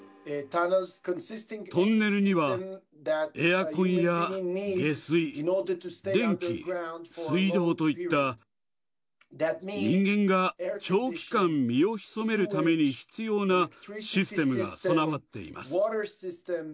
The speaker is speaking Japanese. トンネルにはエアコンや下水、電気、水道といった人間が長期間、身を潜めるために必要なシステムが備わっています。